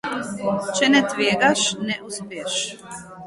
Če ne tvegaš, ne uspeš.